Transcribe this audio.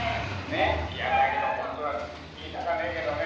いやだけど本当は言いたかねえけどね。